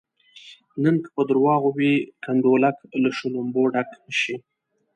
نن که په درواغو وي کنډولک له شلومبو ډک شي.